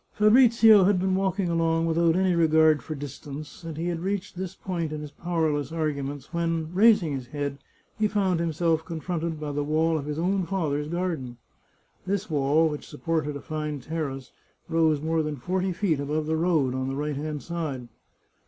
164 The Chartreuse of Parma Fabrizio had been walking along without any regard for distance, and he had reached this point in his powerless arguments when, raising his head, he found himself con fronted by the wall of his own father's garden. This wall, which supported a fine terrace, rose more than forty feet above the road, on the right hand side.